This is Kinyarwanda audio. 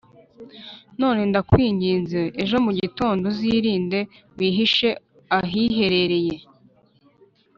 none ndakwinginze ejo mu gitondo uzirinde, wihishe ahiherereye.